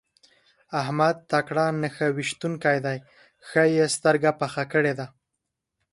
احمد تکړه نښه ويشتونکی دی؛ ښه يې سترګه پخه کړې ده.